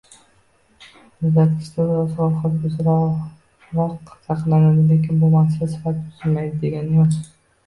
Muzlatkichda oziq-ovqat uzoqroq saqlanadi, lekin bu mahsulotlar sifati buzilmaydi degani emas